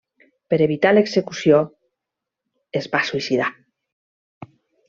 Per evitar l'execució es va suïcidar.